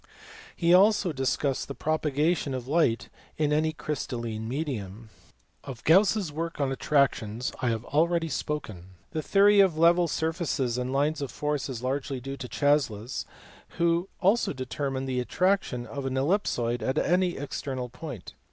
He also discussed the propagation of light in any crystalline medium. Of Gauss s work on attractions I have already spoken (see above, p. 456). The theory of level surfaces and lines of force is largely due to Chasles who also determined the attraction of an ellipsoid at any external point.